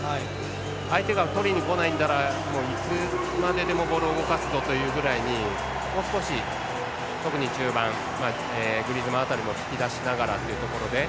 相手が取りにこないならもういつまででもボールを持たすぞというぐらいにもう少し特に中盤、グリーズマン辺りも引き出しながらというところで。